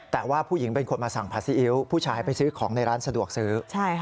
แต่ว่าผู้หญิงเป็นคนมาสั่งผัดซีอิ๊วผู้ชายไปซื้อของในร้านสะดวกซื้อ